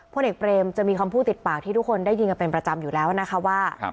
พลเอกเปรมจะมีคำพูดติดปากที่ทุกคนได้ยินกันเป็นประจำอยู่แล้วนะคะว่า